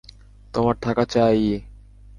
তোমার থাকা চাই-ই।